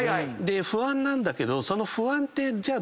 不安なんだけど。